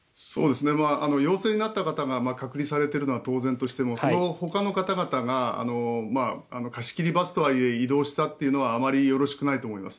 陽性になった方が隔離されているのは当然としても、そのほかの方々が貸し切りバスとはいえ移動したというのはあまりよろしくないと思います。